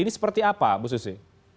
ini seperti apa bu susi